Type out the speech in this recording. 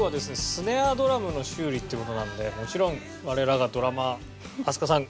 スネアドラムの修理っていう事なんでもちろん我らがドラマー飛鳥さん